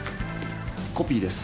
コピーです。